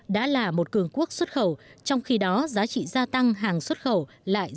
đã là một cường quốc xuất khẩu trong khi đó giá trị gia tăng hàng xuất khẩu lại rất khiêm tốn